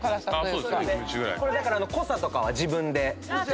これ濃さとかは自分で。